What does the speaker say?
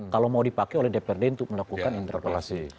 kalau mau dipakai oleh dprd untuk melakukan interpelasi